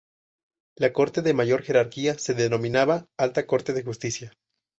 La corte de mayor jerarquía se denominaba: Alta Corte de Justicia.